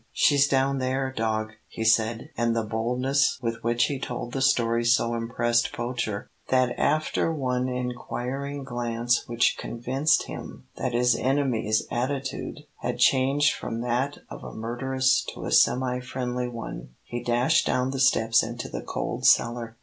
"She's down there, dog," he said, and the boldness with which he told the story so impressed Poacher, that after one inquiring glance which convinced him that his enemy's attitude had changed from that of a murderous to a semi friendly one, he dashed down the steps into the cold cellar.